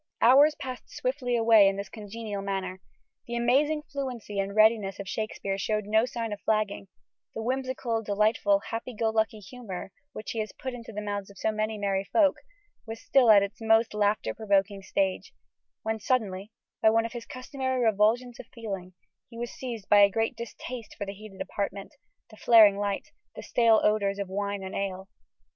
Hours passed swiftly away in this congenial manner. The amazing fluency and readiness of Shakespeare showed no sign of flagging: the whimsical, delightful, happy go lucky humour, which he has put into the mouths of so many merry folk, was still at its most laughter provoking stage, when suddenly, by one of his customary revulsions of feeling, he was seized by a great distaste for the heated apartment, the flaring light, the stale odours of wine and ale.